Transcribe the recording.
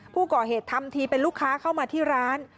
ผู้ก่อเหตุทำทีเป็นลูกค้าเข้ามาที่ร้าน